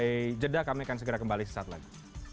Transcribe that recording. kita bahas nanti usai jeda kami akan segera kembali sesaat lagi